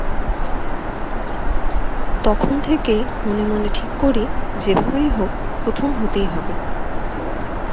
তখন থেকেই মনে মনে ঠিক করি, যেভাবেই হোক প্রথম হতেই হবে।